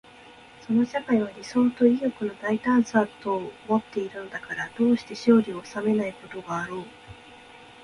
その社会は理想と意欲の大胆さとをもっているのだから、どうして勝利を収めないことがあろう。